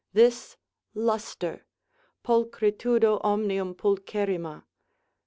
This lustre, pulchritudo omnium pulcherrima.